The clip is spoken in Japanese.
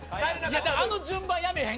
あの順番、やめへん。